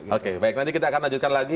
oke baik nanti kita akan lanjutkan lagi